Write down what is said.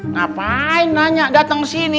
ngapain nanya dateng sini